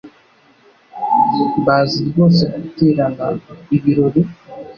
Bazi rwose guterana ibirori!